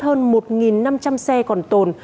hơn một năm trăm linh xe còn tồn